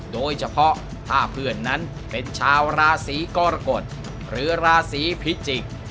โดยเฉพาะถ้าเพื่อนนั้นเป็นชาวราศีกรกฎหรือราศีพิจิกษ์